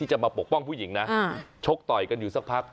จะมาปกป้องผู้หญิงนะชกต่อยกันอยู่สักพัก